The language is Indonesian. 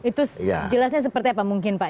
itu jelasnya seperti apa mungkin pak